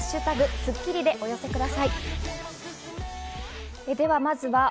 「＃スッキリ」でお寄せください。